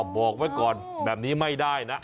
บอกไว้ก่อนแบบนี้ไม่ได้นะ